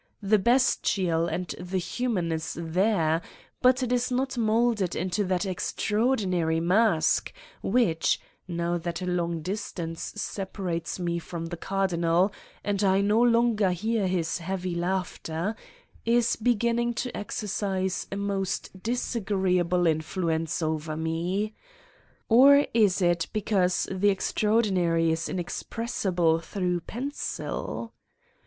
The bestial and the human is here, but it is not molded into that extraordinary mask which, now that a long distance separates me from the Cardinal and I no longer hear his heavy laughter, is beginning to exercise a most disagreeable influence over me. Or is it because the extraordinary is inexpres sible through pencil?